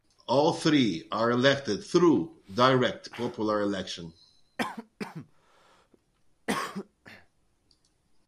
All three are elected through direct popular election.